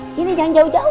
sini jangan jauh jauh